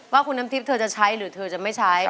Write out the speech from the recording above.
ว่าคุณน้ำทิพย์เธอจะใช้หรือเธอจะไม่ใช้